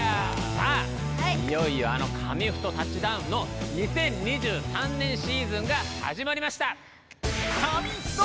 さあいよいよあの「紙フトタッチダウン」の２０２３年シーズンがはじまりました！